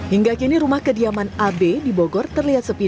hingga kini rumah kediaman ab di bogor terlihat sepi